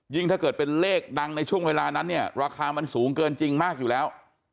ถ้าเกิดเป็นเลขดังในช่วงเวลานั้นเนี่ยราคามันสูงเกินจริงมากอยู่แล้ว